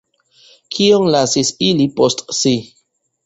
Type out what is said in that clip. Kion lasis ili post si?